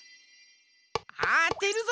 あてるぞ！